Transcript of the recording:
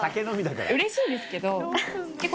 うれしいんですけど。